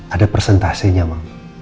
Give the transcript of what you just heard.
ada persentasenya ma